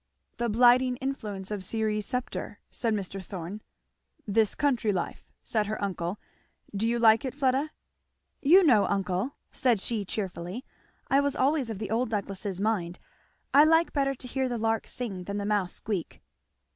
"The blighting influence of Ceres' sceptre," said Mr. Thorn. "This country life," said her uncle; "do you like it, Fleda?" "You know, uncle," said she cheerfully, "I was always of the old Douglasses' mind I like better to hear the lark sing than the mouse squeak."